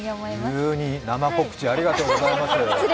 急に生告知ありがとうございます。